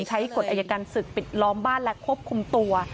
กฎอายการศึกปิดล้อมบ้านและควบคุมตัว